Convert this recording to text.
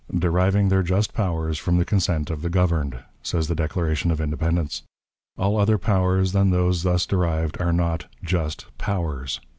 "Deriving their just powers from the consent of the governed," says the Declaration of Independence. All other powers than those thus derived are not "just powers."